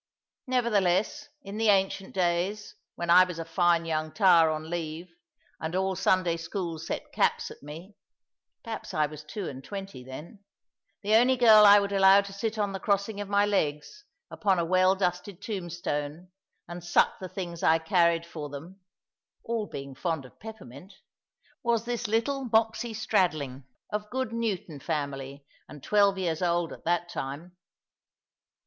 Nevertheless, in the ancient days, when I was a fine young tar on leave, and all Sunday school set caps at me (perhaps I was two and twenty then), the only girl I would allow to sit on the crossing of my legs, upon a well dusted tombstone, and suck the things I carried for them (all being fond of peppermint), was this little Moxy Stradling, of good Newton family, and twelve years old at that time.